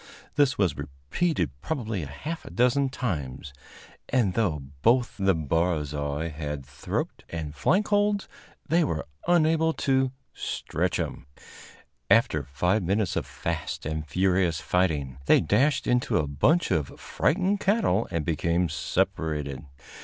This was repeated probably a half dozen times, and, though both the barzois had throat and flank holds, they were unable to "stretch him." After five minutes of fast and furious fighting, they dashed into a bunch of frightened cattle and became separated.